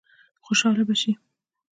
خوشاله به شي.